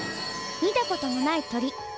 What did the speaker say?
見たこともない鳥。